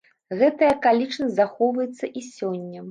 Гэтая акалічнасць захоўваецца і сёння.